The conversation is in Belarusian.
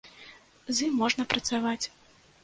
З ім можна працаваць.